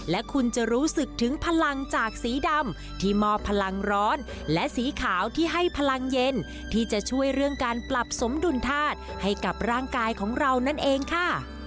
และคุณจะรู้สึกถึงพลังจากสีดำที่มอบพลังร้อนและสีขาวที่ให้พลังเย็นที่จะช่วยเรื่องการปรับสมดุลธาตุให้กับร่างกายของเรานั่นเองค่ะ